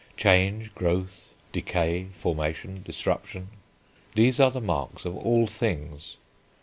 Change, growth, decay, formation, disruption these are the marks of all things.